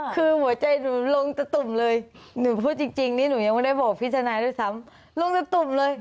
คือหัวใจหนูลงตะตุ่มเลยหนูพูดจริงนี่หนูยังไม่ได้บอกพิจารณาด้วยซ้ำลงตะตุ่มเลย